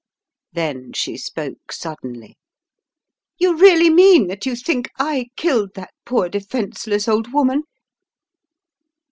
Then she spoke suddenly. "You really mean that you think I killed that poor defenseless old woman?